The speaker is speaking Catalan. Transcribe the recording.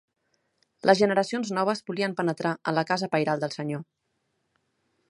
Les generacions noves volien penetrar en la Casa pairal del Senyor